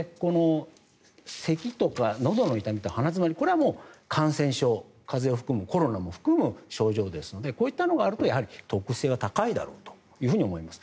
せきとかのどの痛みとか鼻詰まりこれはもう、感染症風邪を含む、コロナも含む症状ですのでこういったのがあると特性が高いだろうと思います。